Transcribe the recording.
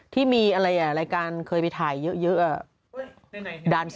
ที่มีอะไรรายการเคยไปถ่ายเยอะ